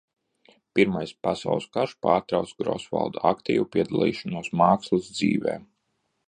Pirmais pasaules karš pārtrauca Grosvalda aktīvu piedalīšanos mākslas dzīvē.